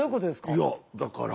いやだから。